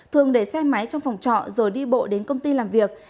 thường để xe máy trong phòng trọ rồi đi bộ đến công ty làm việc